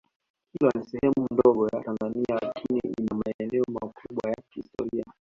Kilwa ni sehemu ndogo ya Tanzania lakini ina maeneo makubwa ya kihistoria